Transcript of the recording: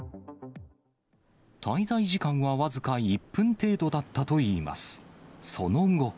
滞在時間は僅か１分程度だったといいます。